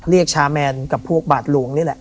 เรียกชามแมนกับพวกบาดหลวงนี่แหละ